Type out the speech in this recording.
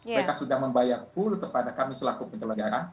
mereka sudah membayar full kepada kami selaku penyelenggara